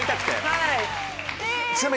はい。